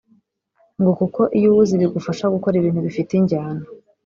ngo kuko iyo uwuzi bigufasha gukora ibintu bifite injyana